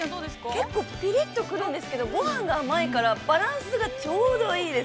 ◆結構ピリッと来るんですけどごはんが甘いからバランスがちょうどいいです